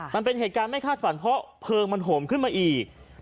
มันเป็นเหตุการณ์ไม่คาดฝันเพราะเพลิงมันโหมขึ้นมาอีก